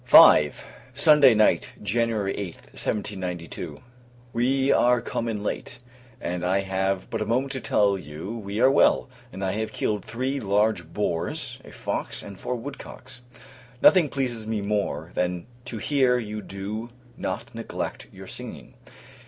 V. Sunday Night, [Jan. 8th, 1792.] We are come in late; and I have but a moment to tell you we are well, and I have killed three large boars, a fox, and four woodcocks. Nothing pleases me more, than to hear you do not neglect your singing.